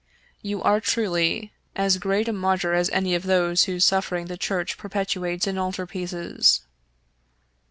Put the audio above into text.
You are truly as great a martyr as any of those whose sufferings the Church perpetuates in altar pieces."